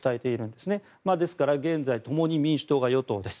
ですから、現在共に民主党が与党です。